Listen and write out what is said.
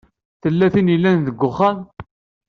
Tella tin i yellan deg uxxam?